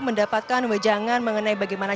mendapatkan wajangan mengenai bagaimana